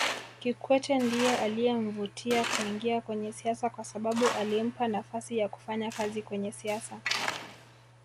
Kikwete ndiye aliyemvutia kuingia kwenye siasa kwasababu alimpa nafasi ya kufanya kazi kwenye siasa